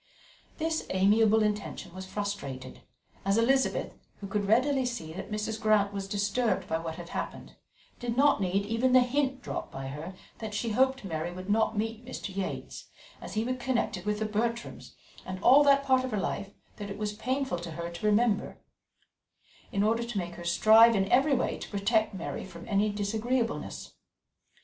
This amiable intention was frustrated, as Elizabeth, who could readily see that Mrs. Grant was disturbed by what had happened, did not need even the hint dropped by her that she hoped Mary would not meet Mr. Yates, as he was connected with the Bertrams, and all that part of her life that it was painful to her to remember, in order to make her strive in every way to protect Mary from any disagreeableness.